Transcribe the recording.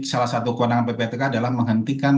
salah satu kewenangan ppatk adalah menghentikan